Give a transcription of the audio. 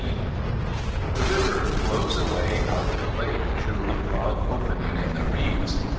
The river flows away out of the lake through a broad opening in the reeds.